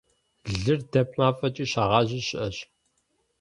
Лыр дэп мафӀэкӀи щагъажьи щыӀэщ.